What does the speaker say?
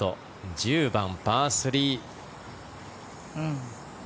１０番、パー３。